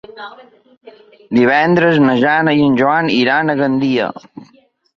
Divendres na Jana i en Joan iran a Gandia.